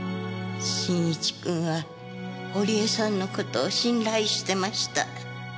慎一君は堀江さんのことを信頼してました。